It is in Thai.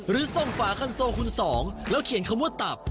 หรือส่งฝาคันโซคุณสองแล้วเขียนคำว่าตับ